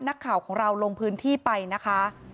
นักข่าวของเราลงพื้นที่ไปนะคะ